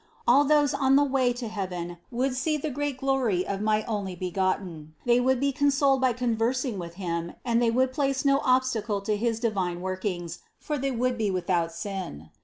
All those on the way to heaven would see the great glory of my Onlybegotten ; they would be consoled by conversing with Him and 78 CITY OF GOD they would place no obstacle to his divine workings, for they would be without sin.